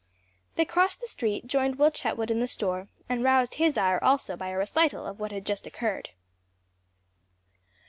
They crossed the street, joined Will Chetwood in the store, and roused his ire also by a recital of what had just occurred.